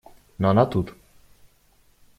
Но она тут.